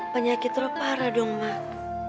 penyakit lu parah dong mak